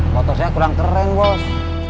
motor saya kurang keren bos